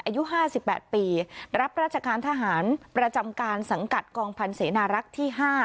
อายุ๕๘ปีรับราชการทหารประจำการสังกัดกองพันธ์เสนารักษ์ที่๕